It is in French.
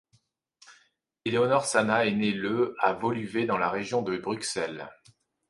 Eléonor Sana est née le à Woluwe dans la région de Bruxelles.